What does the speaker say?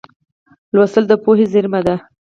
لوستل د پوهې زېرمه ده.